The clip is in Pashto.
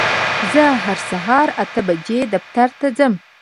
زه هر سهار اته بجې دفتر ته ځم.